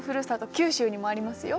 九州にもありますよ。